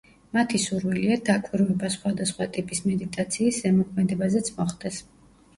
მათი სურვილია, დაკვირვება სხვადასხვა ტიპის მედიტაციის ზემოქმედებაზეც მოხდეს.